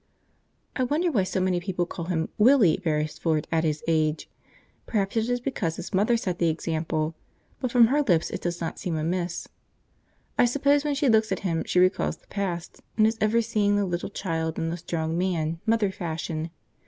I wonder why so many people call him 'Willie' Beresford, at his age. Perhaps it is because his mother sets the example; but from her lips it does not seem amiss. I suppose when she looks at him she recalls the past, and is ever seeing the little child in the strong man, mother fashion.